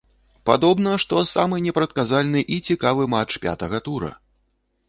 Падобна, што самы непрадказальны і цікавы матч пятага тура.